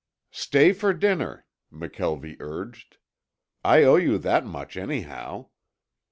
"Stay for dinner," McKelvie urged. "I owe you that much anyhow.